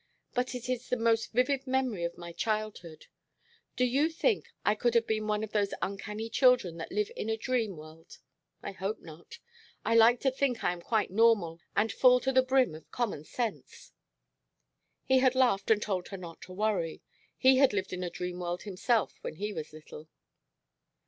But it is the most vivid memory of my childhood. Do you think I could have been one of those uncanny children that live in a dream world? I hope not. I like to think I am quite normal and full to the brim of common sense." He had laughed and told her not to worry. He had lived in a dream world himself when he was little.